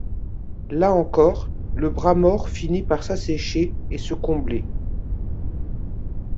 Là encore, le bras-mort finit par s’assécher et se combler.